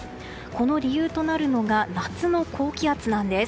この理由となるのが夏の高気圧なんです。